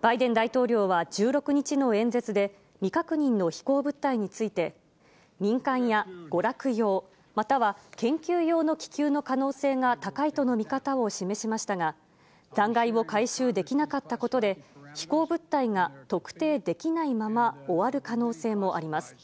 バイデン大統領は１６日の演説で、未確認の飛行物体について、民間や娯楽用、または研究用の気球の可能性が高いとの見方を示しましたが、残骸を回収できなかったことで、飛行物体が特定できないまま、終わる可能性もあります。